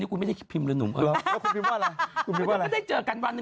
วันหนึ่งก็ได้เจอ